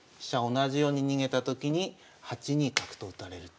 同じように逃げたときに８二角と打たれると。